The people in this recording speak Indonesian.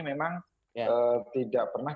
memang tidak pernah